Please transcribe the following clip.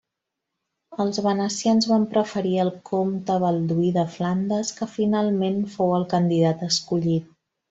Els venecians van preferir el comte Balduí de Flandes, que finalment fou el candidat escollit.